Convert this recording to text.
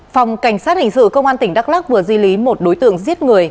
phòng cảnh sát hình sự công an tỉnh đắk lắc vừa di lý một đối tượng giết người